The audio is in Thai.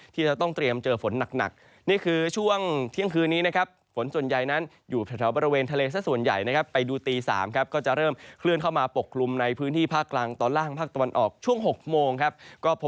ที่จะต้องเตรียมเจอฝนหนัก